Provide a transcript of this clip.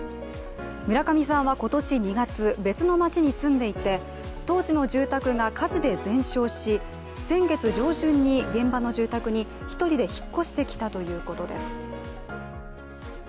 村上さんは今年２月、別の町に住んでいて当時の住宅が火事で全焼し、先月上旬に現場の住宅に１人で引っ越してきたということです。